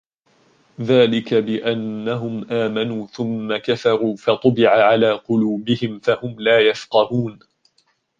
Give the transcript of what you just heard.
ذلك بأنهم آمنوا ثم كفروا فطبع على قلوبهم فهم لا يفقهون